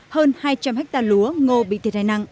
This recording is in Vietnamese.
hơn hai trăm linh ha lúa ngô bị thiệt hài nặng